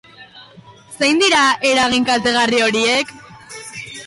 Zein dira eragin kaltegarri horiek?